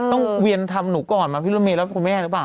ต้องเวียนทำหนูก่อนป่ะพี่รถเมย์แล้วคุณแม่รึเปล่า